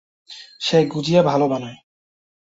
সে গুজিয়া ভালো বানায়।